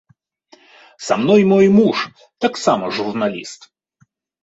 Са мной мой муж, таксама журналіст.